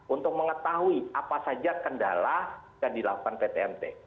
untuk mengetahui apa saja kendala yang dilakukan pt mt